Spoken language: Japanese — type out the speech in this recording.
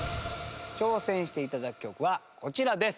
挑戦して頂く曲はこちらです。